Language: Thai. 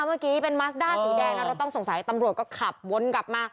เมื่อกี้เป็นมัสด้าสีแดงนะรถต้องสงสัยตำรวจก็ขับวนกลับมา